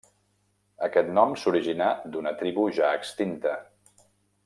Aquest nom s'originà d'una tribu ja extinta.